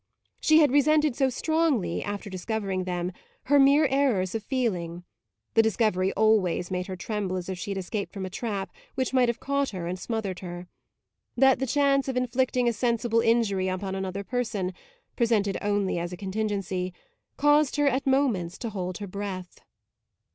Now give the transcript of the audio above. She had resented so strongly, after discovering them, her mere errors of feeling (the discovery always made her tremble as if she had escaped from a trap which might have caught her and smothered her) that the chance of inflicting a sensible injury upon another person, presented only as a contingency, caused her at moments to hold her breath.